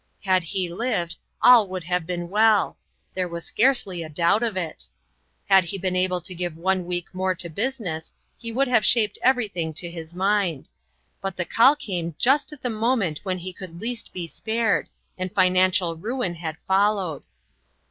Had he lived, all would have been well ; there was scarcely a doubt of it. Had he been able to give one week more to business, he would have shaped everything to his mind; but the call came just at the moment when he could least be spared, and financial ruin had followed.